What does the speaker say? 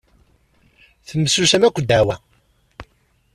Temsusam akk ddeɛwa.